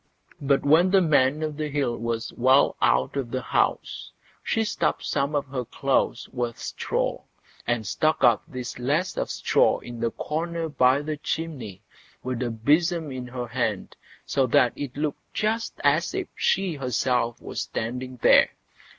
But when the Man o' the Hill was well out of the house, she stuffed some of her clothes with straw, and stuck up this lass of straw in the corner by the chimney, with a besom in her hand, so that it looked just as if she herself were standing there.